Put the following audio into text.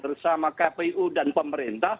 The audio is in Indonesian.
bersama kpu dan pemerintah